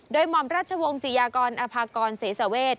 โดยหม่อมราชวงศ์จิยากรอภากรเสสาเวท